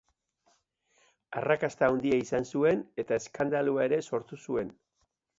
Arrakasta handia izan zuen, eta eskandalua ere sortu zuen.